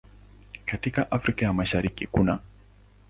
Katika Afrika ya Mashariki kunaː